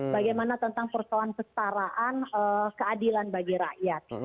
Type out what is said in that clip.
bagaimana tentang persoalan kestaraan keadilan bagi rakyat